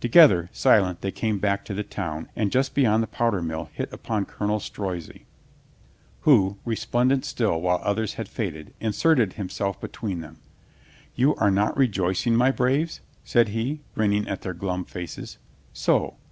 Together, silent, they came back to the town, and just beyond the powder mill hit upon Colonel Strozzi, who, resplendent still while others had fad ed, inserted himself between them. "You are not 212 COLONEL GREATHEART rejoicing, my braves?" said he, grinning at their glum faces. "So.